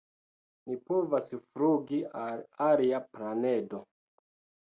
"Ni povas flugi al alia planedo!"